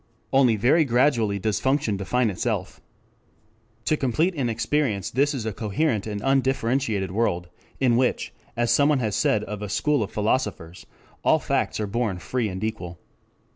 Only very gradually does function define itself. To complete inexperience this is a coherent and undifferentiated world, in which, as someone has said of a school of philosophers, all facts are born free and equal.